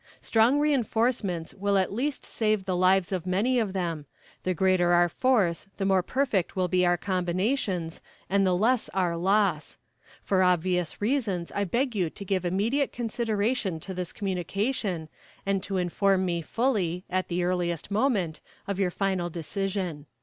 Strong reinforcements will at least save the lives of many of them; the greater our force the more perfect will be our combinations, and the less our loss. For obvious reasons I beg you to give immediate consideration to this communication, and to inform me fully, at the earliest moment, of your final decision."